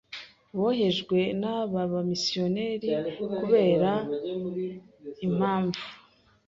bohejwe n’aba missionaires kubera imhamvu